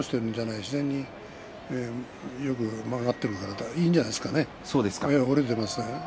自然に曲がっているからいいんじゃないですかね。